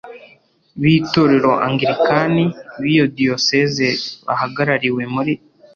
b Itorero Anglikani b iyo Diyoseze bahagarariwe muri